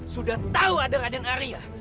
sudah tahu ada raden arya